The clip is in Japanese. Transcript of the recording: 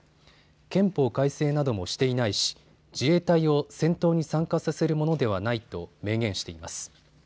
憲法改正などもしていないし自衛隊を戦闘に参加させるものではないと明言しています。